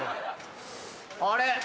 あれ？